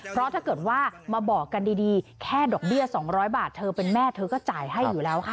เพราะถ้าเกิดว่ามาบอกกันดีแค่ดอกเบี้ย๒๐๐บาทเธอเป็นแม่เธอก็จ่ายให้อยู่แล้วค่ะ